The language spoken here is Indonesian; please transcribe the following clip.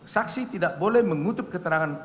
saksi tidak boleh mengutup keterangan